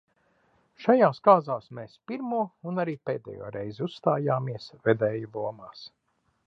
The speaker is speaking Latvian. Šajās kāzās mēs pirmo un arī pēdējo reizi uzstājāmies vedēju lomās.